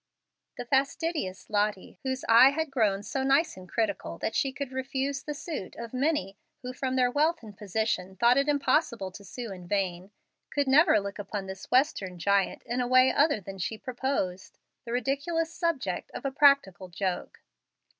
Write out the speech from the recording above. The fastidious Lottie, whose eye had grown so nice and critical that she could refuse the suit of many who from their wealth and position thought it impossible to sue in vain, could never look upon this Western giant in a way other than she proposed, the ridiculous subject of a practical joke.